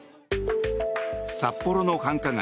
札幌の繁華街